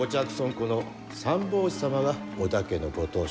この三法師様が織田家のご当主。